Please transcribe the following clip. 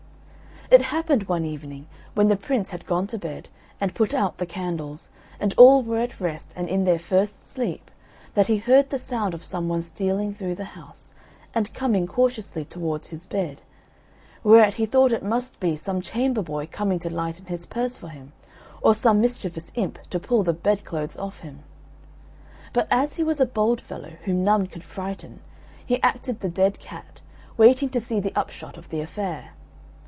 It happened one evening, when the Prince had gone to bed, and put out the candles, and all were at rest and in their first sleep, that he heard the sound of some one stealing through the house, and coming cautiously towards his bed; whereat he thought it must be some chamber boy coming to lighten his purse for him, or some mischievous imp to pull the bed clothes off him. But as he was a bold fellow, whom none could frighten, he acted the dead cat, waiting to see the upshot of the affair.